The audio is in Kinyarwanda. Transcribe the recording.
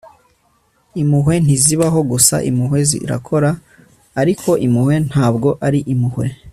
impuhwe ntizibaho gusa. impuhwe zirakora, ariko impuhwe ntabwo ari impuhwe